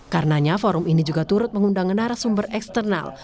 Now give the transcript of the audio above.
karenanya forum ini juga turut mengundang narasumber eksternal